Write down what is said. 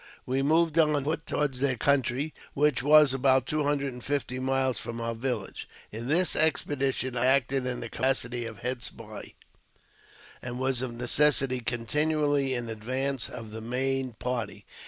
We j moved on foot toward their country, which was about two hundred and fifty miles from our village. In this expedition acted in the capacity of head spy, and was of necessity coi tinually in advance of the main party.